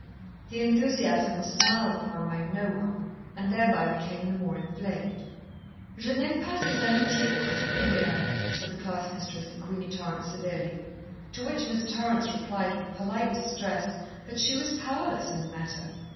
The enthusiasm was smiled upon by no one, and thereby became the more inflamed. "Je n'aime pas ces amitiés particulières," said the class mistress of Queenie Torrance severely, to which Miss Torrance replied with polite distress that she was powerless in the matter.